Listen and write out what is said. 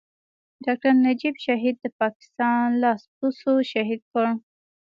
ډاکټر نجيب شهيد د پاکستان لاسپوڅو شهيد کړ.